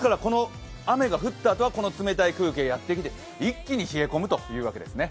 雨が降ったあとは冷たい空気がやってきて一気に冷え込むということですね。